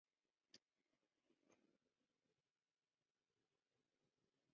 He brings Curry back to the farm to save his life.